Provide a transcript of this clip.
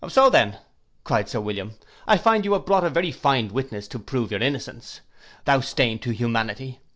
'—'So then,' cried Sir William, 'I find you have brought a very fine witness to prove your innocence: thou stain to humanity!